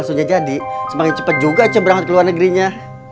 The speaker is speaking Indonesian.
seharusnya jadi semangat cepat juga cek berangkat ke luar negerinya